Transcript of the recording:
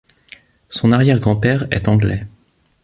Son arrière grand-père est anglais.